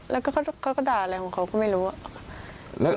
แล้วก็เขาก็ด่าอะไรของเขาก็ไม่รู้